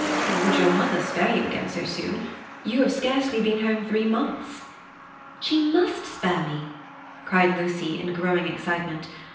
"Would your mother spare you again so soon? You have scarcely been home three months." "She must spare me!" cried Lucy, in growing excitement.